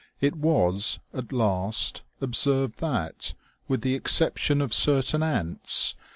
It was, at last, observed that, with the exception of certain ants, OMEGA.